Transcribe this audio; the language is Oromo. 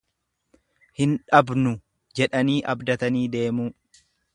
Hin dhabnu jedhanii abdatanii deemuu.